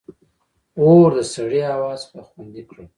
• اور د سړې هوا څخه خوندي کړل.